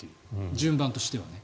順番としてはね。